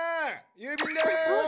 郵便です！